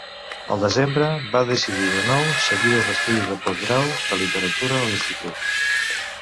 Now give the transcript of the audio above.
Al desembre, va decidir de nou seguir els estudis de postgrau de literatura a l'institut.